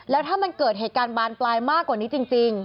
แล้วถ้ามันเกิดเหตุการณ์บานปลายมากกว่านี้จริง